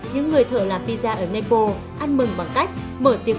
những người thợ làm pizza ở nepal ăn mừng bánh pizza